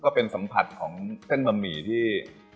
เป็นสัมผัสของเส้นบะหมี่ที่